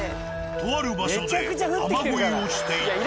とある場所で雨乞いをしていた。